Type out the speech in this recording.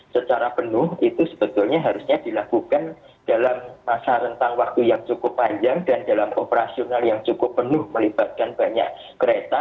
secara penuh itu sebetulnya harusnya dilakukan dalam masa rentang waktu yang cukup panjang dan dalam operasional yang cukup penuh melibatkan banyak kereta